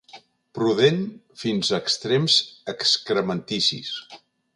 Prudent fins a extrems excrementicis.